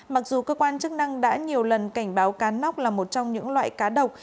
mặc dù cơ quan chức năng đã nhiều lần cảnh báo cá nóc là một trong những loại cá độc